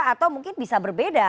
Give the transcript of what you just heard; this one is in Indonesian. atau mungkin bisa berbeda